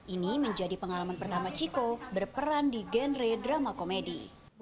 ini menjadi pengalaman pertama chico berperan di genre drama komedi